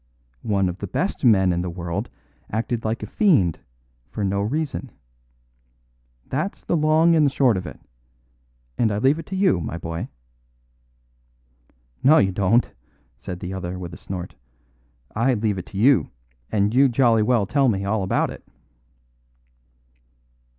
One of the best men in the world acted like a fiend for no reason. That's the long and the short of it; and I leave it to you, my boy." "No, you don't," said the other with a snort. "I leave it to you; and you jolly well tell me all about it."